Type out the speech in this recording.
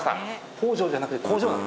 北条じゃなくて工場なのね。